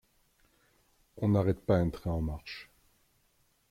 On n’arrête pas un train en marche.